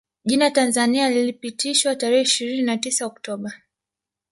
Jina Tanzania lilipitishwa tarehe ishirini na tisa Oktoba